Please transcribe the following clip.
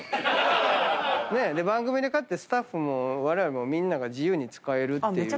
番組で買ってスタッフもわれわれもみんなが自由に使えるっていう。